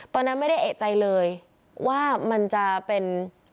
ตอนนั้นไม่ได้เอกใจเลยว่ามันจะเป็น